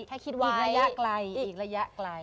แค่คิดไว้อีกระยะใกล่